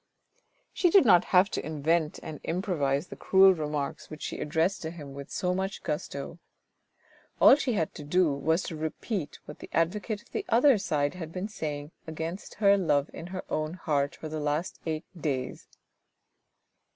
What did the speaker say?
She did not have to invent and improvise the cruel remarks which she addressed to him with so much gusto. All she had to do was to repeat what the advocate of the other side had been saying against her love in her own heart for the last eight days.